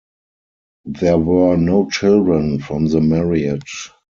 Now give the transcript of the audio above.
There were no children from the marriage.